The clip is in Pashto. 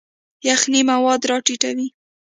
یخنۍ مواد راټیټوي.